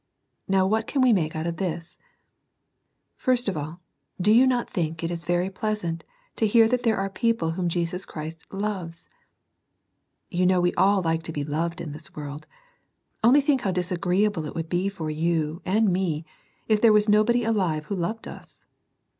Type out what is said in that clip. Now what can we make out of this ? First of all, do you not think it is very pleasant to hear that there are people whom Jesus Christ loves 1 You know we all like to be loved in this world : only think how dis agreeable it would be for you and me if there was nobody alive who loved us.